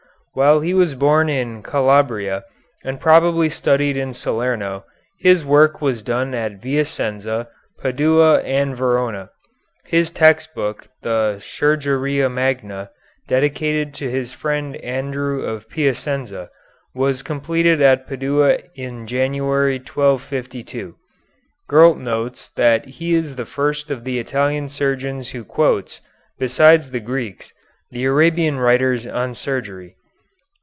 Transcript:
While he was born in Calabria, and probably studied in Salerno, his work was done at Vicenza, Padua, and Verona. His text book, the "Chirurgia Magna," dedicated to his friend Andrew of Piacenza, was completed at Padua in January, 1252. Gurlt notes that he is the first of the Italian surgeons who quotes, besides the Greeks, the Arabian writers on surgery.